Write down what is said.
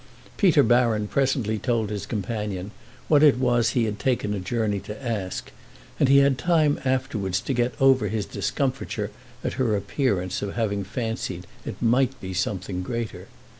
Peter Baron presently told his companion what it was he had taken a journey to ask, and he had time afterwards to get over his discomfiture at her appearance of having fancied it might be something greater.